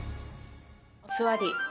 お座り。